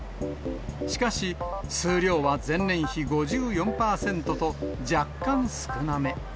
しかし、数量は前年比５４％と、若干少なめ。